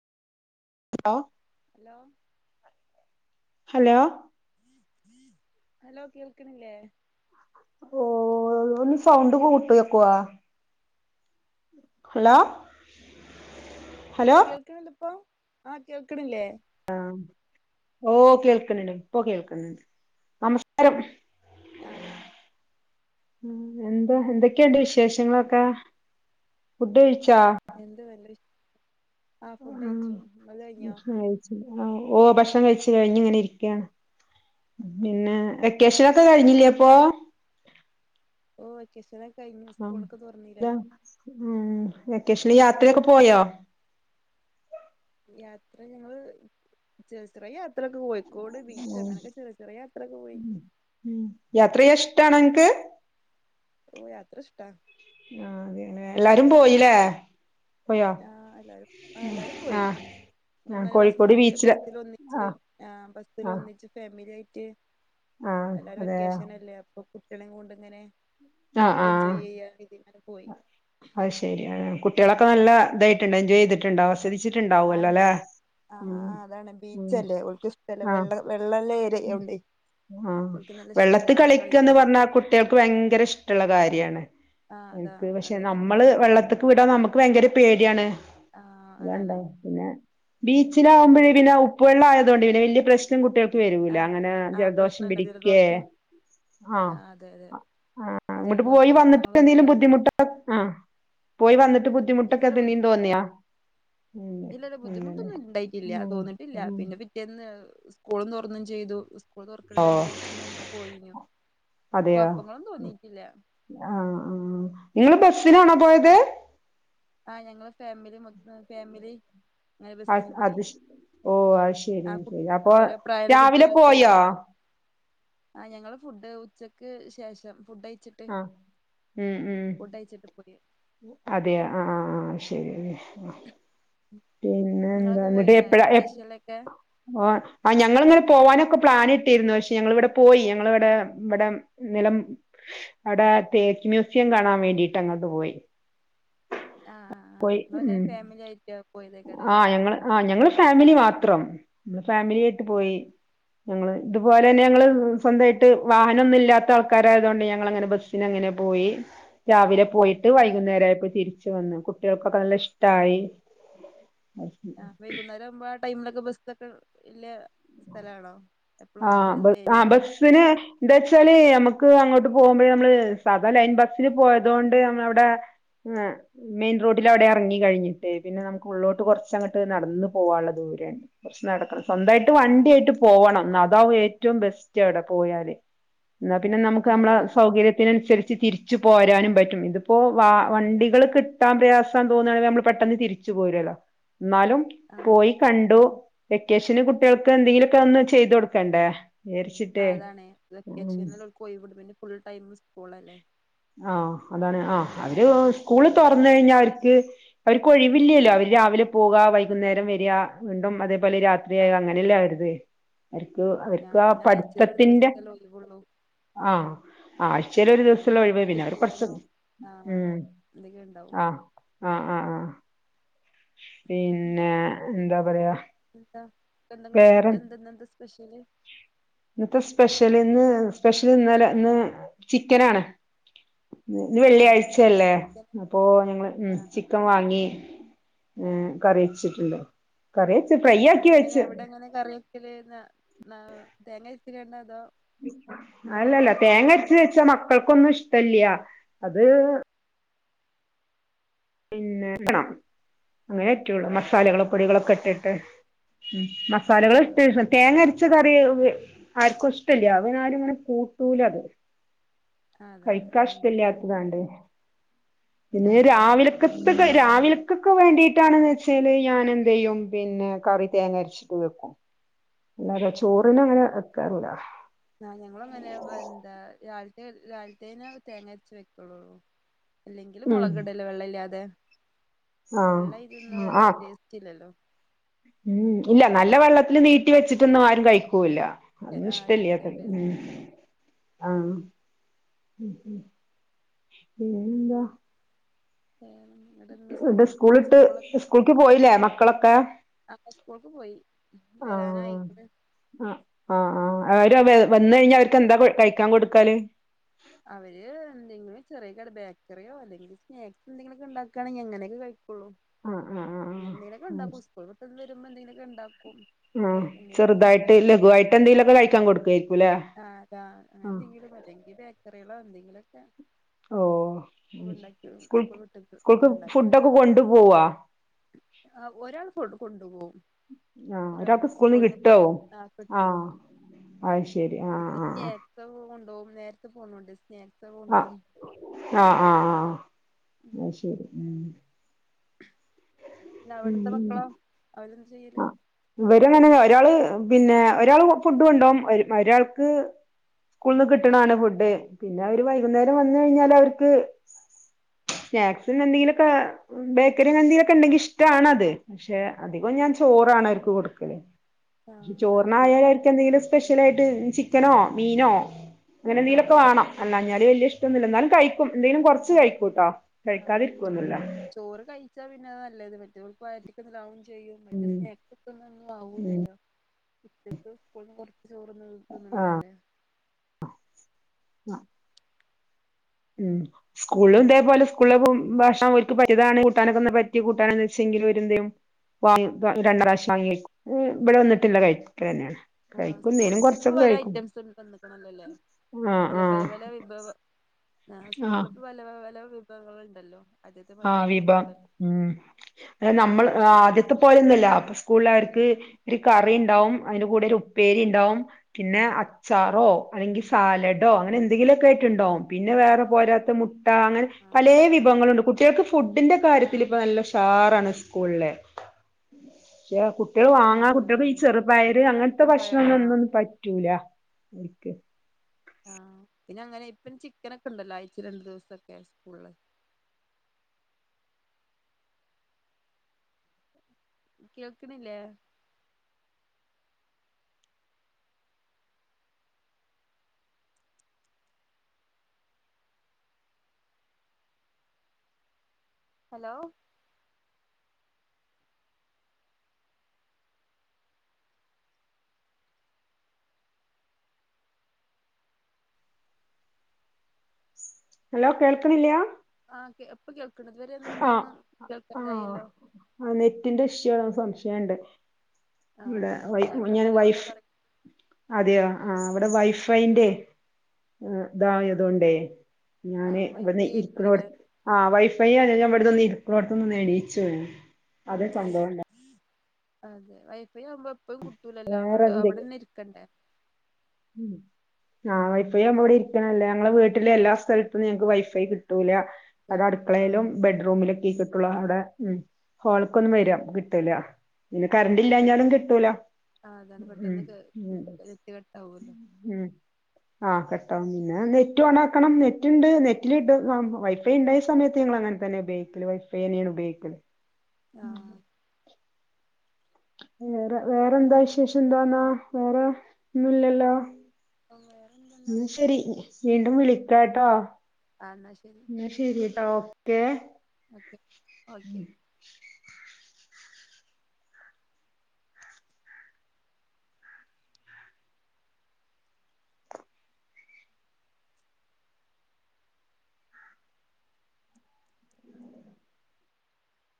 [unintelligible] Hello. Hello hello കേൾക്കണില്ലേ ഓ ഒന്ന് സൗണ്ട് കൂട്ടി വെക്കുവോ ഹലോ ഹലോ കേൾക്കണില്ലെ ഇപ്പൊ ആഹ് കേൾക്കണില്ലേ? ആഹ് ഓ കേൾക്കണണ്ട് ഇപ്പൊ കേൾക്കണുണ്ട് നമസ്കാരം ആഹ് എന്താ എന്തൊക്കെയുണ്ട് വിശേഷങ്ങളൊക്കെ? ഫുഡ് കഴിച്ചാ? എന്ത് വല്ല വി ആഹ് ഫുഡ് കഴിച്ചു. ഇങ്ങളത് കഴിഞ്ഞോ? ഓഹ് ഭക്ഷണം കഴിച്ചു കഴിഞ്ഞ് ഇങ്ങനെ ഇരിക്കാണ് പിന്നെ വെ ക്കേഷനൊക്കെ കഴിഞ്ഞില്ലേ അപ്പോ? ഓ വെക്കേഷനൊക്കെ കഴിഞ്ഞു സ്കൂളൊക്കെ തുറന്നിലെ ഉം വെക്കേഷന് യാത്രയൊക്കെ പോയോ യാത്ര ഞങ്ങള് ചെർചെറെ യാത്രൊക്കെ പോയി ഓ പോയി ഉം യാത്രയ്യാൻ ഇഷ്ടാണൻക്ക് [inaudible] ഓ യാത്ര ഇഷ്ട എല്ലാരും പോയിലേ ആഹ് എല്ലാരും ആ എല്ലാരും പോയി ആഹ് ങ്ങൾ ആഹ് ഇങ്ങനെ കോഴിക്കോട് ബസ്സില് ബീച്ചില് ബസ്സിൽ ഒന്നിച്ച് ആഹ് ആ ബസ്സിൽ ആഹ് ഒന്നിച്ച് ഫാമിലി ആയിട്ട് ആഹ് എല്ലരും അതെയോ വെക്കേഷനല്ലേ അപ്പൊ കുട്ട്യളേം കൊണ്ട്ങ്ങനെ അ ആഹ് അഹ് ശെരി ഏ കുട്ട്യാളൊക്കെ നല്ല ഇതായിട്ട്ണ്ട് എൻജോയ് ചെയ്തിട്ടുണ്ടോ ആസ്വദിച് ആ [unintelligible] ആ അതാണ് ഉം ബീച്ചല്ലേ ഓല്ക്ക് ഇഷ്ടല്ലേ ആഹ് വെള്ള വെള്ളല്ലേ യൌണ്ടേ ആഹ് വെള്ളത്ത് കളിക്കന്ന് പറഞ്ഞാ കളിക്കാനൊക്കെ കുട്ട്യാൾക്ക് ഭയങ്കര ഇഷ്ടള്ള കാര്യാണ് ആഹ് അതാ ഓല്ക്ക് പക്ഷെ അതെ അതെ നമ്മള് വെള്ളത്ത്ക്ക് വിടാ നമുക്ക് ഭയങ്കര പേടിയാണ് ആഹ് അതാണ് ഉം ബീച്ചിലാവുമ്പോഴേ പിന്നെ ഔ ഉപ്പ് വെള്ളായതോണ്ട് പിന്നെ വല്യയ പ്രശ്നം കുട്ട്യാൾക്ക് വരൂല ആഹ് അങ്ങനെ ആഹ് ജലദോഷം പ്രശ്നല്ല പിടിക്കേ ജലദോഷം ആ ആഹ് അതെ അതെ ആ ഇങ്ങട്ട് ജലദോഷ പോയി വന്ന്ട്ട് പ്രശ്നങ്ങളൊന്നും എന്തെങ്കിലും ഉണ്ടാവില്ല ബുദ്ധിമുട്ട് ആ പോയി വന്ന്ട്ട് ബു ദ്ധിമുട്ടൊക്കെ പിന്നിം തോന്നിയോ ഇല്ല ല്ല ബുദ്ധിമുട്ടൊന്നുംണ്ടായിട്ടില്ല ഉം പൊന്ന്ട്ട്ല്ല ഉം പിന്നെ പിറ്റ് എന്ന് സ്കൂളും തൊർന്നും ചെയ്തു സ് സ്കൂൾ തൊർക്ക്ണ ഓ രണ്ട് ദിവസം മുമ്പ് പോയീനു കൊഴപ്പങ്ങളൊന്നും തോന്നീട്ടില്ല. ആഹ് ആഹ് ങ്ങള് ബസ്സ്നാണോ പോയത്. ആഹ് ഞങ്ങള് ഫാമിലി മൊത്തം ഫാമിലി. അങ്ങനെ അഹ് ബസ്സിന് പോയി അത് ശെ ഓ അഹ് ശെരീ ആഹ് കു അപ്പൊ ഓരോ പ്രായള്ള രാവിലെ പോയോ. [inaudible] കുട്ടികളൊക്കെയ്നു ആഹ് ഞങ്ങള് ഫുഡ് ഉച്ചക്ക് ശേഷം ഫുഡയ്ച് ട്ട് ആ ഫുഡയ്ച്ട്ട് പൊതി അതെ അ അ ആഹ് ശെരിന്നെ. പിന്നെന്താ നിങ്ങളൊക്കെ ന്ന്ട്ട് പോയിനോ എപ്പഴാ എപ്പ് വെക്കേഷനിലൊക്കെ ഓ ആ ഞങ്ങള്ങ്ങനെ പോവാനൊക്കെ പ്ലാന്ട്ടിര്ന്നു പഷേ ഞങ്ങള്വ്ടെ പോയി ഞങ്ങള്വ്ടെ വ്ടെ. നിലം അടെ തേക്ക് മ്യൂസിയം കാണാവേണ്ടിട്ട് അങ്ങോട്ട് പോയി. ആഹ് ആഹ് ആഹ് പോയി ങ്ങളെങ്ങനെ ഉം ഫാമില്യായ്റ്റോ പോയതേക്കാരലേ. ആഹ് ഞങ്ങള് ഫാമിലി മാത്രം ഫാമിലി ആയിട്ട് പോയി. ആഹ് ഞങ്ങള് ഇതുപോലെന്നെ ഞങ്ങള് സ്വന്തയ്ട്ട് വാഹനൊന്നുല്ലാത്ത ആൾക്കാരായതോണ്ട് ഞങ്ങളങ്ങനെ ബസ്സ്‌നങ്ങനെ പോയി രാവിലെ പോയിട്ട് ആഹ് വൈകുന്നേരായപ്പൊ തിരിച്ചു വന്നു കു ട്ട്യോക്കൊക്ക നല്ല ഇഷ്ടായി. ആഹ് വൈകുന്നേരാവുമ്പോ ആ ടൈംലൊക്കെ ബസ്സൊക്കെ ഇല്ലെ സ്ഥലാണോ എപ്പളും ബസ്സ്ള്ള ഏര്യേണോ. പിനെ. ന്താച്ചാല് യമ്മക്ക് അങ്ങോട്ട് പോകുമ്പഴ് മ്മള് സാധാ ലൈൻ ബസ്സില് പോയതോണ്ട് നമ്മളഉടെ ങ്ങ. മെയിൻ റോഡിലവ്ടെ എർങ്ങി കഴിഞ്ഞിട്ട് പിന്നെ നമുക്ക് ഉള്ളോട്ട്കൊർച്ചങ്ങട്ട് നട്ന്ന് പോവാള്ള ദൂര കൊർച് നടക്കണം സ്വന്തായി ട്ട് വണ്ട്യയ്ട്ട് പോവണം ന്ന അതാവും ഏറ്റവും ബെസ്റ്റ് അവ്ടെ പോയാല്. ന്നാ പിന്നെ നമുക്ക് ആഹ് നമ്മളെ അതെ അതെ സൗകര്യത്തിനനുസര്ച്ച് തിര്ച്ച് പോരാനും പറ്റും ഇത് പ്പൊ വാ ആഹ് ആഹ് വണ്ടികള് കിട്ടാ പ്രയാസാന്ന് തോന്നാണെില് നമ്മള് പെട്ടെന്ന് തിരിച്ചു പോരോലൊ ന്നാലും. ആഹ് പോയി കണ്ടു വെക്കേഷന് കുട്ട്യാൾക്ക് എന്തെങ്കിലൊക്കൊന്ന് ചെയ്തൊട്ക്കെണ്ടേ. ആഹ് അതാണെ വെക്കേഷൻല് ഓൽക് ഒയ്വ്ട്ടുമ്പൊ പിന്നെ ഫുൾടൈം സ്കൂളല്ലേ. ആഹ് അതാണ് പിന്നെ ആ അവര് വെക്കേഷനിൽ ഓൽക്ക് ഒരു സ്കൂള് ഒഴിവുള്ളൂ തൊർന്നഴിഞ്ഞാ അവര്ക്ക്. അവര്ക്കൊഴിവില്ലല്ലോ അവര് രാവിലെപോവാ വൈകുന്നേരം വരാ വീണ്ടും അതേപോലെ രാത് ത്രിയാ ആഹ് അങ്ങനെല്ലെ അവര്ത്. അര്ക്ക് അവർക്കാ പിന്നെ ആഴ്ചയിൽ ഒരു പഠ്ത്തത്തിന്റെ ദിവസല്ലേ ഒഴിവുള്ളൂ ആഹ് ആഴ്ചയിലൊരുദൂസ അതിന് ത്തുള്ള ഒഴിവ് ഹോംവർക്ക് പിന്നെ അവര് കൊറ്ച്ച് ചെയ്യാനും ആ ഉം എന്തൊക്കെ ഉണ്ടാവും ആഹ്. ആഹ് ആഹ് ആഹ് പിന്നെ എന്താ പറയാ. എന്താ എന്തങ്ങടെ വേറെ ഫുഡ്ഡെന്ത ന്ന്ന്ത സ്പെഷ്യല്. ഇന്നത്തെ സ്പെഷ്യല് ഇന്ന് സ്പെഷ്യല് ഇന്നലെ ന്ന് ചിക്കനാണ്. ന്ന് ന്ന് ആ വെള്ളിയാഴ്ചല്ലേ ചിക്കൻ അപ്പൊ ങ്ങള് ഉം ആ ചിക്കംവാങ്ങി. ഉം കറിവെച്ചിട്ടുണ്ട് കറി ഫ്രൈ മ് ആക്കി ങ്ങളെങ്ങനെ വെച്ച് അവിടെങ്ങനെ കറിവെക്കല് ന്ന ന്നാ തേങ്ങര്ച്ങ്ങാണ്ട് അതോ. നിങ്ങളെങ്ങനെ അല്ലല്ല അവിടെ കറി വെക്കല് തേങ്ങര്ച്ച് വെച്ചാ മക്കൾക്കൊന്നും ഇഷ്ടല്ലൃ അത് പിന്നെ ക്കണൊ അങ്ങനറ്റുള്ളൂ ആ മസാലകള് പൊടികളൊക്കെട്ടിട്ട്. ഉം ആ മസാലകള്ട്ട് [unintelligible] തേങ്ങ അര്ച്ചകറി വി ആര്ക്കു ഇഷ്ടല്ലൃ അപനാരുങ്ങനെ കൂട്ടൂലത്. ആ അതാണ് ഉം കയിക്കാഷ്ടല്ലാത്തതാണ്ട് ആ പിന്നെ രാവിലെ. കത്തക് രാവിലെക്കെക്ക് വേണ്ടീട്ടാണെന്ന്ച്ചാല് ഞാനെന്തെയും പിന്നെ കറി തേങ്ങര് ച്വെക്കും അല്ലാതെ ചോറിനങ്ങനെ വെക്കാറൂല്ല. ആഹ് ഞങ്ങളു അങ്ങനെ വെന്താ രാവിൽത്തെ രാവിൽത്തേന് തേങ്ങര്ച്ച് വെക്കുള്ളൂ. അല്ലെങ്കിലും ഉം മൊളകിടല വെള്ളല്ലാതെ. ആഹ് വെള്ള ഇരിന്നാ ആഹ് ടേസ്റ്റില്ലല്ലോ. ഉം ഇല്ല നല്ലവെള്ളത്തില് നീട്ടി വെച്ചിട്ടൊന്നും ആരുംകഴിക്കൂല്ലാ അതൊന്നും ആ ഇഷ്ടൃല്ലൃതെ ചിക്കന് ഉം ടേസ്റ്റ് ആഹ് ഉം ഉം പിന്നെന്താ വേറെന്ത് ന്നിട്ട്ന്ന് ഇത് സ്കൂളും സ്കൂളിട്ട് സ്കൂളൊക് സ്കൂൾക്ക് പോയിലേ മക്കളൊക്കെ ആഹ് സ്കൂൾക്ക് പോയി വരാനായിക്ക്ണ് ആഹ് ആഹ് ആഹ് അവര് വൻ വന്നഴിഞ്ഞാ അവർക്കെന്താ കൊ കഴിക്കാൻ കൊടുക്കാല് അവര് എന്തെങ്കിലും ചെറിയ കടി ബേക്കറിയോ അല്ലെങ്കിൽ സ്നാക്സെന്തെങ്കിലൊക്കെണ്ടാകാണെങ്കിൽ അങ്ങനെയൊക്കെ കഴിക്കൊള്ളൂ ആഹ് ആഹ് ആഹ് ആഹ് ആഹ്ശെ ൻത് വരുമ്പോ എന്തെങ്കിലൊക്കെണ്ടാക്കും ആ ഏ എന്തെങ്കിലും ചെറുതായിട്ട് ലഘുവായിട്ട് എന്തെങ്കിലുമൊക്കെ കഴിക്കാൻ കൊടുക്കായിരിക്കുംല്ലേ ആ ആഹ് ആഹ് ങ്ങനെന്തെങ്കിലും ല്ലെങ്കിൽ ബേക്കറികളോ എന്തെങ്കിലൊക്കെ ഓ ഒന്നുണ്ടാക്കി മ് സ്കൂൾ സ്കൂൾവിട്ട്ട്ട് സ്കൂൾക്ക് ഒപ്പരണ്ടാക ഫുഡൊക്കെ കൊണ്ടു പോവാ ആഹ് ഒരാൾ കൊണ്ട് കൊണ്ടുപോകും ആ ഒരാൾക്ക് സ്കൂളിൽ നിന്ന് സ്കൂള്ന്ന് കിട്ടോ കിട്ടും ആഹ് ആ കിട്ടും അത് ശരി ആ [unintelligible] ആ വ കൊണ്ടോകും നേരത്തെ പോണോണ്ട് സ്നേക്സൊക്കെ കൊണ്ടോവും ആഹ് ആഹ് ആഹ് അഹ്ശരി ഉം നവിടെത്തെ മക്കളൊ അവരെന്ത് ചെയ്യല് ഇവരങ്ങനെന്നെ ഒരാള് പിന്നെ ഒരാൾ പു ഫുഡ് കൊണ്ടോകും ഒരാൾക്ക് സ്കൂള്ന്ന് കിട്ട്ണാണ് ഫുഡ് പിന്നെ അവര് വൈകുന്നേരം വന്നഴിഞ്ഞാലവർക്ക് സ്നാക്സിനെന്തെങ്കിലൊക്കെ ബേക്കറിനെന്തെകിലൊക്കെ ഉണ്ടെങ്കിഷ്ടാണത് പക്ഷെ അധികം ഞാൻ ചോറാണ്വർക്ക് കൊടുക്കല് ആഹ് അവർക്കോ ചോറിനായാ കെന്തെങ്കിലും സ്പെഷ്യലായിട്ട് ചിക്കനോ മീനോ ആഹ് അങ്ങനെന്തേലൊക്കെ വാണം അന്നാഞ്ഞാല് വല്യ ഇഷ്ടൊന്നുല്ല ന്നാലുംകഴിക്കും എന്തേലും കൊറ്ച്ച് ആഹ് കഴിക്കൂട്ടോ ആഹ് കഴിക്കാതിരിക്കൊന്നുല്ല ചോറ് കഴിച്ചാ പിന്നെ അതാനല്ലത് മറ്റേത് വയറ്റ്ക് [unintelligible] ആവുംചെയ്യും മറ്റേത് ഉം സ്നേകൊക്കെന്നും ഒന്നും ആവൂലല്ലോ ഉച്ചക്ക് സ്കൂള്ന്ന് കൊറ്ച്ച് ചോറ്ന്ന് തിന്ന്ണതല്ലേ [unintelligible] ഉം സ്കൂളും ഇതേപോലെ സ്കൂളിലെ പോം ഭക്ഷണം ഇവർക്ക് പറ്റീതാണ് കൂട്ടാനൊക്കെ പറ്റിയ കൂട്ടാനന്ന് വെച്ചെങ്കിൽ ഇവരെന്തയും [unintelligible] കഴിക്കും ഉം ഇവിടെ വന്നിട്ടില്ല കഴിക്കണന്നെയാണ് ആഹ് സ്കൂളിപ്പ പല ഐറ്റംസ് ഒണ്ടാക്കണല്ലോല്ലേ ആഹ് പല ആഹ് പലപല വിഭവ ആഹ് സ്കൂളിൽ ഇപ്പോ പല പല വിഭവങ്ങൾ ഉണ്ടല്ലോ ആഹ് വിഭവം ഉം അല്ല നമ്മൾ ഫുഡൊക്കെ ഉഷാറാണ് ആദ്യത്തെ പോലെയൊന്നല്ല സ്കൂളിലവർക്ക് ഒരു കറി ഇണ്ടാവും അതിന്റെ കൂടെ ഒരു ഉപ്പേരി ഇണ്ടാവും പിന്നെ അച്ചാറോ അല്ലെങ്കി സാലഡോ അങ്ങനെ എന്തെങ്കിലുമൊക്കെയായിട്ടിണ്ടാവും പിന്നെ വേറെ ആഹ് പോരാത്ത മുട്ട അങ്ങനെ ആഹ് പലേ ആഹ് വിഭവങ്ങളുണ്ട് കുട്ടികൾക്ക് ഫുഡിന്റെ കാര്യത്തിൽ ഇപ്പ ആഹ് നല്ല താറാണ് സ്കൂളിലെ ക്ഷേ കുട്ടികള് വാങ്ങാ ആഹ് കുട്ടികള് ഈ അതാണ് ചെറുപയര് അങ്ങനത്തെ ഫുഡും പഴ ആഹ് ഭക്ഷണങ്ങളൊന്നും പറ്റൂല [unintelligible] ആഹ് പിന്നങ്ങനെ ഇപ്പും ചിക്കൻ ഒക്കെ ഉണ്ടല്ലോ ആഴ്ച്ച രണ്ടു ദിവസൊക്കെ സ്കൂളില് കേൾക്കണില്ലേ ഹലോ ഹലോ കേൾക്കുന്നില്യ ആഹ് കേ ഇപ്പൊ കേൾക്കണ് ഇതുവരെ ഒന്നെന്തോന്നും കേൾക്കാതായില്ലോ ആഹ് നെറ്റിന്റെ ഇഷ്യൂ അസംശയണ്ട് ആഹ് ഇവിടെ അതെ വൈ അതെ ഞാൻ ഇവിടെ ഞാന് ഹലോ ഹലോ വൈഫ് പറ അതെയോ ആവടെ വൈഫൈന്റെ ഇതായതോണ്ടേ ഞാന് ആഹ് ഇവിടുന്ന് വൈഫൈ ഇരിക്കണോട ആയിരിക്കൂല്ലേ ആഹ് വൈഫൈ ആല്ലവിടന്ന്ന്നന്ന് ഇടത്തോട്ടൊന്ന് നേടിച്ചു ആ വൈഫ് അതെ വൈഫൈ ആവുമ്പോ എപ്പഴും കുട്ടൂലല്ലോ വേറെ അങ്ങോട്ട് എന്തെ അവിടെന്നെരി ക്കണ്ട [inaudible] ആ വൈഫൈ ആവുമ്പോ ഇവിടെ ഇരിക്കണല്ലേ ഞങ്ങളെ വീട്ടിലെ എല്ലാ സ്ഥലത്തും ഞങ്ങക്ക് വൈഫൈ കിട്ടൂല അത് അടുക്കളയിലും ആഹ് ബെഡ്റൂമിലൊക്കെ കിട്ടുള്ളൂ അവിടെ മ് ഹോള്ക്കൊന്നും ആഹ് വര കിട്ടൂല പിന്നെ ആഹ് കറണ്ട് പെട്ടെന്ന് ഇല്ലാഞ്ഞാലും കിട്ടൂല. അതാണ് ഉം പെട്ടെന്ന് കെ ഉം എത്തി കെട്ടാവൂല്ലോ ഉം ആ കെട്ടാം പിന്നെ നെറ്റ് ഓണാക്കണം നെറ്റ്ണ്ട് നെറ്റിൽ ഇട് വൈഫൈ ഉണ്ടായ സമയത്ത് ഞങ്ങള്ങ്ങനാ തന്നെ ബൈക്കില് വൈഫൈന്യാണ് ഉപയോഗിക്കല് ആ വേറെ വേറെന്താ വിശേഷം എന്താന്നാ വേറെ ഒന്നും ഇല്ലല്ലോ വേറെന്താ ഉം ശെരി വീണ്ടും വിളിക്കാട്ടോ ആ എന്നാ ശരി ന്നാ ശെരിട്ടാ ഓക്കേ ഓക്കെ ഓക്കെ